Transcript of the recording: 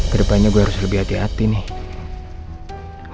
kedepannya gue harus lebih hati hati nih